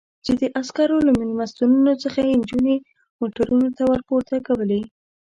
چې د عسکرو له مېلمستونونو څخه یې نجونې موټرونو ته ور پورته کولې.